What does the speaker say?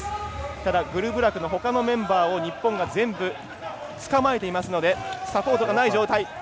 ただ、ほかのメンバーを日本が全部つかまえていますのでサポートがない状態。